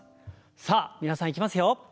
さあ皆さんいきますよ。